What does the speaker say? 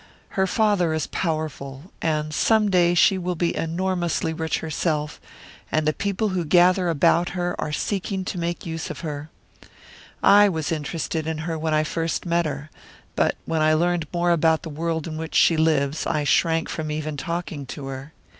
Her father is powerful, and some day she will be enormously rich herself; and the people who gather about her are seeking to make use of her. I was interested in her when I first met her. But when I learned more about the world in which she lives, I shrank from even talking to her."